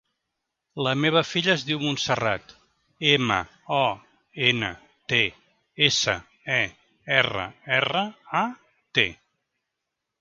La meva filla es diu Montserrat: ema, o, ena, te, essa, e, erra, erra, a, te.